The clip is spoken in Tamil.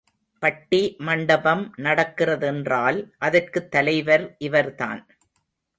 பட்டி மண்டபம் நடக்கிறதென்றால் அதற்குத் தலைவர் இவர்தான்.